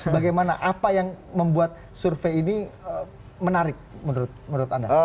bagaimana apa yang membuat survei ini menarik menurut anda